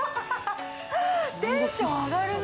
テンション上がるね。